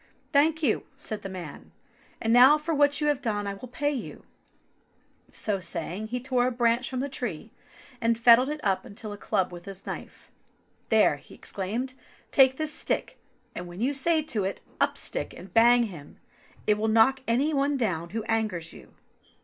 Thank you," said the man; and now for what you have done I will pay you" ; so saying, he tore a branch from the tree, and fettled it up into a club with his knife. "There," exclaimed he; "take this stick, and when you say to it, *Up, stick, and bang him,' it will knock any one down who angers you."